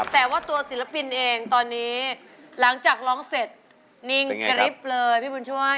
แต่ว่าตัวศิลปินเองตอนนี้หลังจากร้องเสร็จนิ่งกระริบเลยพี่บุญช่วย